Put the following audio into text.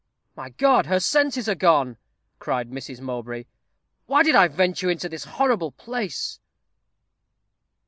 "My God, her senses are gone!" cried Mrs. Mowbray. "Why did I venture into this horrible place?"